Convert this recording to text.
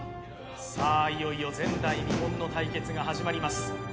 さあ、いよいよ前代未聞の対決が始まります。